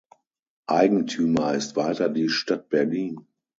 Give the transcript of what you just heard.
Eigentümer ist weiter die Stadt Berlin.